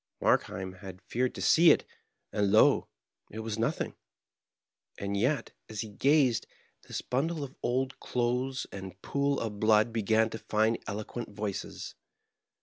Markheim had feared to see it, and, lol it was nothing. And yet, as he gazed, this bundle of old clothes Digitized by VjOOQIC 58 MARKHEIM. and pool of blood began to find eloquent voices.